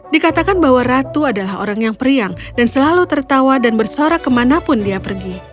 dikatakan bahwa ratu adalah orang yang periang dan selalu tertawa dan bersorak kemanapun dia pergi